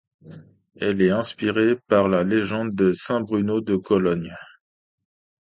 Elle est inspirée par la légende de saint Bruno de Cologne.